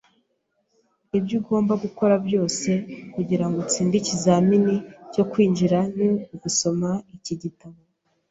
Ibyo ugomba gukora byose kugirango utsinde ikizamini cyo kwinjira ni ugusoma iki gitabo.